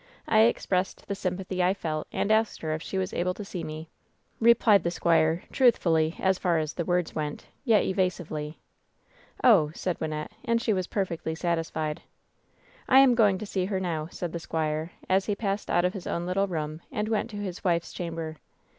I expressed the sym pathy I felt, and asked her if she was able to see me," replied the squire, truthfully, as far as the words went, yet exasively. "Oh !" said Wynnette, and she was perfectly satisfied. "I am going to see her now," said the squire, as he passed out of his own little room and went to his wife's chamber.